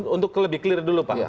untuk lebih clear dulu pak